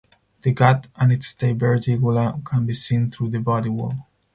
The gut and its diverticula can be seen through the body wall.